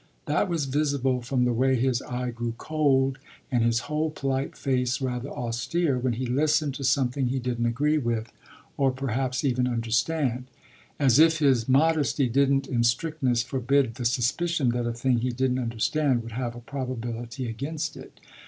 That was visible from the way his eye grew cold and his whole polite face rather austere when he listened to something he didn't agree with or perhaps even understand; as if his modesty didn't in strictness forbid the suspicion that a thing he didn't understand would have a probability against it.